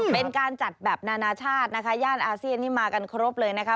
เป็นการจัดแบบนานาชาตินะคะย่านอาเซียนนี่มากันครบเลยนะคะ